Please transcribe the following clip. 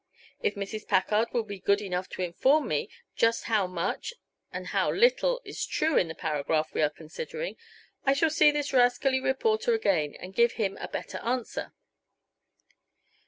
If Mrs. Packard will be good enough to inform me just how much and how little is true in the paragraph we are considering, I shall see this rascally reporter again and give him a better answer."